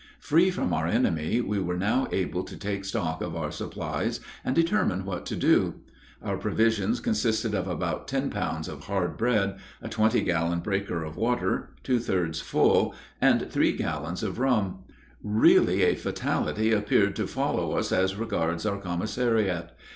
Free from our enemy, we were now able to take stock of our supplies and determine what to do. Our provisions consisted of about ten pounds of hard bread, a twenty gallon breaker of water, two thirds full, and three gallons of rum. Really a fatality appeared to follow us as regards our commissariat.